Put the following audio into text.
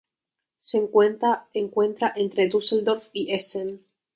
Se encuentra entre Düsseldorf y Essen.